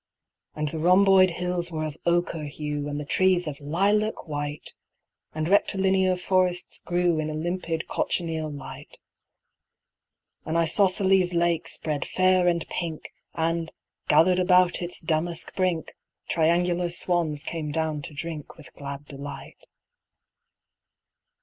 And the rhomboid hills were of ochre hue With trees of lilac white, And rectilinear forests grew In a limpid cochineal light. An isosceles lake spread fair and pink, And, gathered about its damask brink, Triangular swans came down to drink With glad delight.